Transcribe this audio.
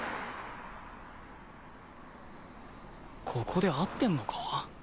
ここで合ってんのか？